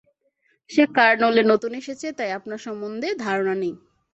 সে কারনুলে নতুন এসেছে, তাই আপনার সম্বন্ধে ধারণা নেই।